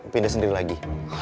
pindah sendiri lagi